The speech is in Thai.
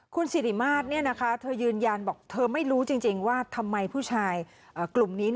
คุณสิริมาตรเธอยืนยันบอกเธอไม่รู้จริงว่าทำไมผู้ชายกลุ่มนี้